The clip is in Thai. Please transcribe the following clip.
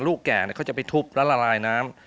แก่เขาจะไปทุบแล้วละลายน้ำ